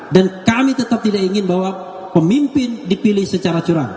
dan kami tetap tidak ingin bahwa pemimpin dipilih secara curang